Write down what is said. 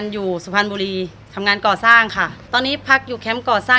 อยู่สุพรรณบุรีทำงานก่อสร้างค่ะตอนนี้พักอยู่แคมป์ก่อสร้าง